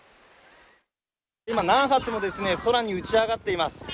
今、何発も空に打ち上がっています。